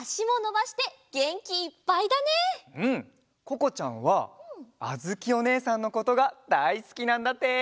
ここちゃんはあづきおねえさんのことがだいすきなんだって！